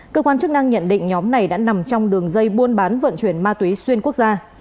cơ quan chức năng nhận định nhóm này đã nằm trong đường dây buôn bán vận chuyển ma túy xuyên quốc gia